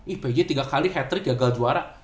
ih pj tiga kali hat trick gagal juara